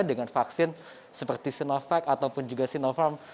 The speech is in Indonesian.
dengan vaksin seperti sinovac ataupun juga sinopharm